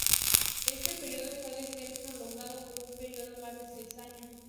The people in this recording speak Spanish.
Este período puede ser prolongado por un período más de seis años.